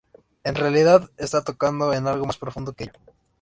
En realidad está tocando en algo más profundo que ello".